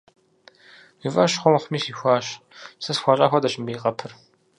- Уи фӏэщ хъу-мыхъуми, сихуащ. Сэ схуащӏа хуэдэщ мыбы и къэпыр.